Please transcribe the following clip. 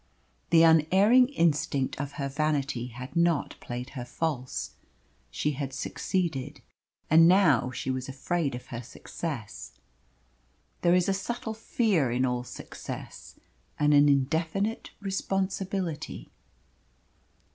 The unerring instinct of her vanity had not played her false. She had succeeded, and now she was afraid of her success. There is a subtle fear in all success, and an indefinite responsibility.